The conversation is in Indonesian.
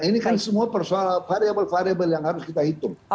ini kan semua persoalan variable variable yang harus kita hitung